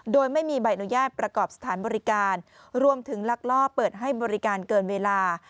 โดยไม่มีใบอนุญาตประกอบสถานบริการรวมถึงลักลอบเปิดให้บริการเกินเวลา